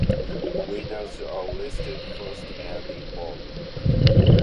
Winners are listed first and in bold.